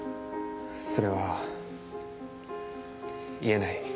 それは言えない。